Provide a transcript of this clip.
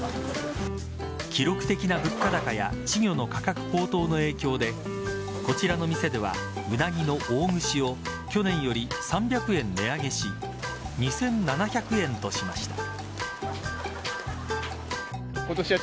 記録的な物価高や稚魚の価格高騰の影響でこちらの店ではうなぎの大串を去年より３００円値上げし２７００円としました。